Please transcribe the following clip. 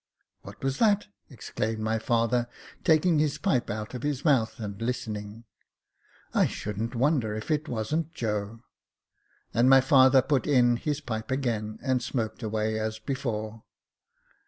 " What was that ?" exclaimed my father, taking his pipe out of his mouth, and listening ;" I shouldn't wonder if it wasn't Joe." And my father put in his pipe again, and smoked away as before.